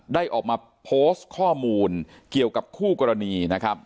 ได้ออกมาโพสต์ข้อมูลเกี่ยวกับคู่กรณีนะครับ